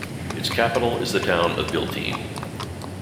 Its capital is the town of Biltine.